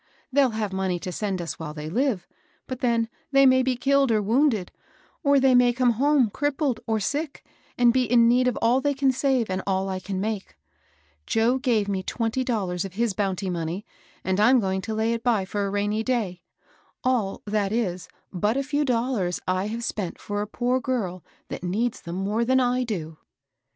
They'll have money to send us while they live ; but then they may be killed or wounded, or they may come home crippled or sick and be in need of all they can save and all I can make. Joe gave me twenty dollars of his bounty monqr, and I'm going to lay it by for a rainy day ; all, that is, but a few dollars I have spent for a poor girl that needs them more than I do."